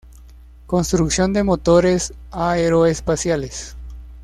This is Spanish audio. Construcción de motores Aeroespaciales.